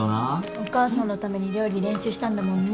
お母さんのために料理練習したんだもんね。